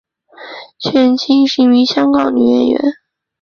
区燕青是一名香港女演员。